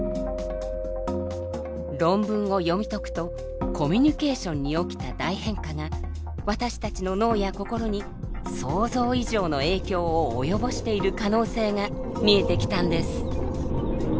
論文を読み解くとコミュニケーションに起きた大変化が私たちの脳や心に想像以上の影響を及ぼしている可能性が見えてきたんです。